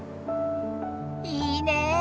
いいねぇ。